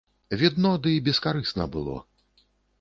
Відно ды бескарысна было.